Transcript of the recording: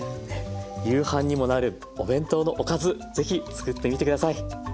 夕飯にもなるお弁当のおかず是非作ってみて下さい。